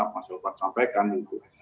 mas ibu pak sampaikan itu